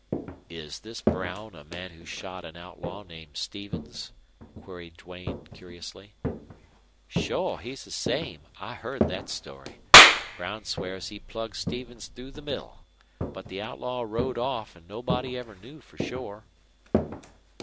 "Is this Brown a man who shot an outlaw named Stevens?" queried Duane, curiously. "Shore, he's the same. I heard thet story. Brown swears he plugged Stevens through the middle. But the outlaw rode off, an' nobody ever knew for shore."